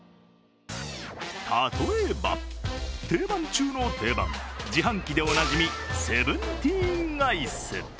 例えば、定番中の定番、自販機でおなじみ、セブンティーンアイス。